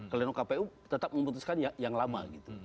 kalau kpu tetap memutuskan yang lama gitu